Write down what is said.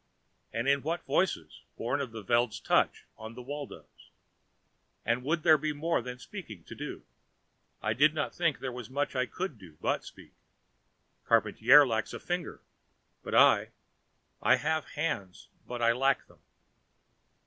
And in what voices, born of the Veld's touch on the Waldos? And would there be more than speaking to do? I did not think there was much I could do but speak. Charpantier lacks a finger, but I ... I have hands, but I lack them.